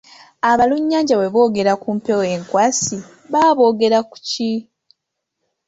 Abalunnyanja bwe boogera ku mpewo enkwasi baba boogera ku ki?